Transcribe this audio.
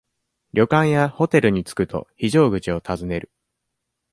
旅館やホテルに着くと、非常口を尋ねる。